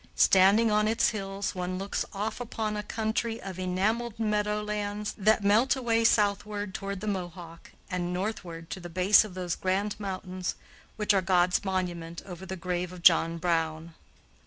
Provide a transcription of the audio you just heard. Standing on its hills, one looks off upon a country of enameled meadow lands, that melt away southward toward the Mohawk, and northward to the base of those grand mountains which are 'God's monument over the grave of John Brown.'"